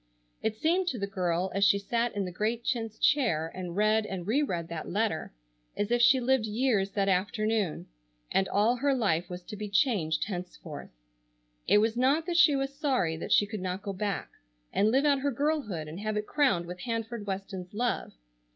It seemed to the girl as she sat in the great chintz chair and read and re read that letter, as if she lived years that afternoon, and all her life was to be changed henceforth. It was not that she was sorry that she could not go back, and live out her girlhood and have it crowned with Hanford Weston's love.